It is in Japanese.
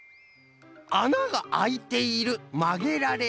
「あながあいている」「まげられる」。